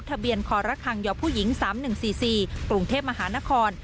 ทะเบียนคอระคังยผู้หญิง๓๑๔๔กรุงเทพมหานคร